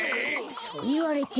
そういわれても。